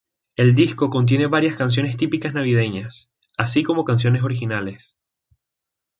El disco contiene varias canciones típicas navideñas, así como canciones originales.